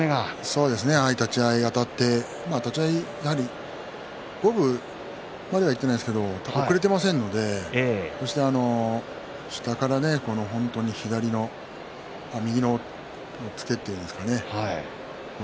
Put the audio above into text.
そうですね立ち合いあたって立ち合いやはり五分まではいっていないですけど遅れていませんので下から本当に右の押っつけというんですかね。